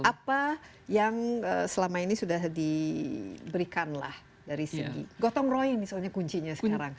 apa yang selama ini sudah diberikan lah dari segi gotong royong misalnya kuncinya sekarang